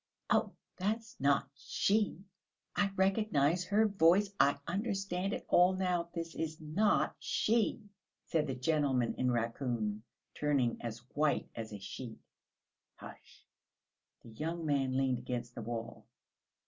"Oh, that's not she! I recognise her voice; I understand it all now, this is not she!" said the gentleman in raccoon, turning as white as a sheet. "Hush!" The young man leaned against the wall.